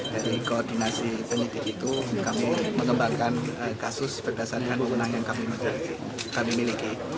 dari koordinasi penyelidikan itu kami menembangkan kasus berdasarkan pengunang yang kami miliki